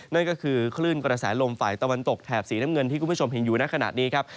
นั่นก็คือคลื่นกระแสลมฝ่ายตะวันตกแถบสีน้ำเงินที่คุณผู้ชมเห็นอยู่ในขณะนี้ครับ